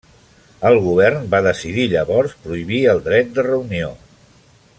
El govern va decidir llavors prohibir el dret de reunió.